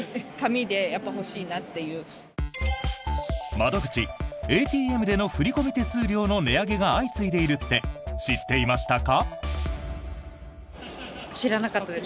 窓口、ＡＴＭでの振込手数料の値上げが相次いでいるって知っていましたか？